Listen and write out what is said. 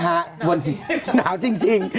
หนาวจริง